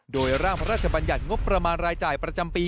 โดยร่างพระราชบัญญัติงบประมาณรายจ่ายประจำปี